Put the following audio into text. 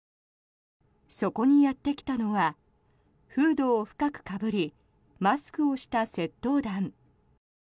そこにやってきたのはフードを深くかぶりマスクをした窃盗団。